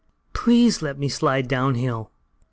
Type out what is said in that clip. Please let me slide down hill!"